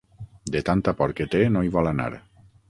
De tanta por que té, no hi vol anar.